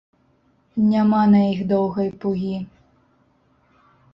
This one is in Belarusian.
Няма на іх доўгай пугі.